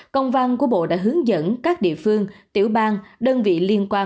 công văn của bộ đã hướng dẫn các địa phương tiểu bang đơn vị liên quan